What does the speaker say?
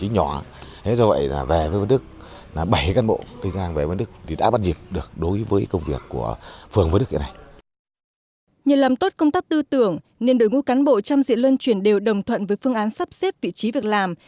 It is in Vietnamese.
nhiều làm tốt công tác tư tưởng nền đội ngũ cán bộ chăm dị lân chuyển đều đồng thuận với phương án sắp xếp vị trí việc làm